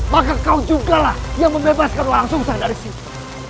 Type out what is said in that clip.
maka kau juga lah yang membebaskan langsung saya dari situ